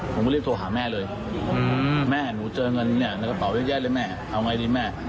ผมก็รีบโทรหาแม่เลยแม่หนูเจอเงินเนี่ยในกระเป๋าเยอะแยะเลยแม่เอาไงดีแม่